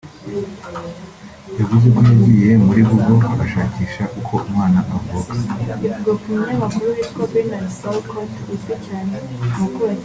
yavuze ko yagiye muri Google agashakisha uko umwana avuka